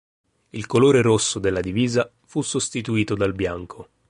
Il colore rosso della divisa fu sostituito dal bianco.